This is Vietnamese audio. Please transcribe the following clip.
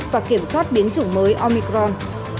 và kiểm soát biến chủng mới omicron